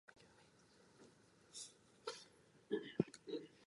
This is a roughly circular, bowl-shaped crater.